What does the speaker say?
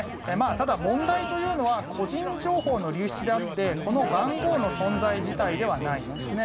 ただ、問題というのは個人情報の流出であってこの番号の存在自体ではないんですね。